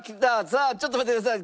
さあちょっと待ってください。